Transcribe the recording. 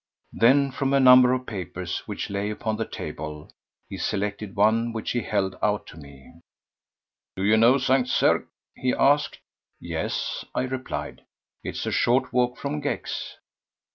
Then from a number of papers which lay upon the table, he selected one which he held out to me. "Do you know St. Cergues?" he asked. "Yes," I replied. "It is a short walk from Gex."